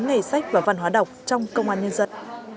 ngày sách và văn hóa đọc trong công an nhân dân